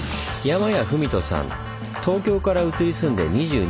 東京から移り住んで２２年。